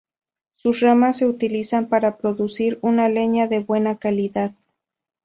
Sus ramas se utilizan para producir una leña de buena calidad.